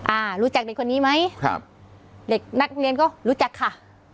อ่ารู้จักเด็กคนนี้ไหมครับเด็กนักเรียนก็รู้จักค่ะ